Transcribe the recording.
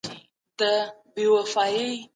ماشومانو ته د مطالعې عادت ورکول د مور او پلار دنده ده.